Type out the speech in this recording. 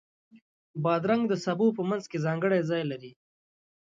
بادرنګ د سبو په منځ کې ځانګړی ځای لري.